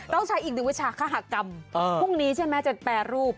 ต้องใช้อีกหนึ่งวิชาคหากรรมพรุ่งนี้ใช่ไหมจะแปรรูป